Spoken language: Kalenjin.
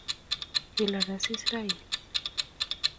kilal asis raini